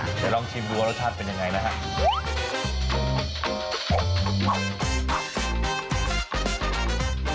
เดี๋ยวลองชิมดูว่ารสชาติเป็นยังไงนะครับ